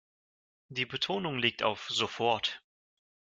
Die Betonung liegt auf sofort.